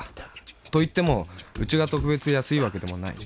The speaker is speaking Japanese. といってもウチが特別安いわけでもない